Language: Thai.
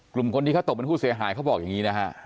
กลุ่มคนที่เขาตกเป็นผู้เสียหายเขาบอกอย่างนี้นะฮะ